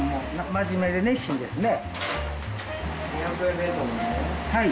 真面目で熱心ですね。